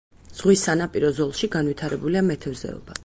ზღვის სანაპირო ზოლში განვითარებულია მეთევზეობა.